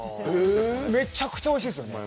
めっちゃくちゃおいしいですよね。